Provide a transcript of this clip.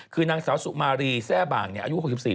คือนางสาวสุมารีแซ่บ่างอายุ๖๔ปี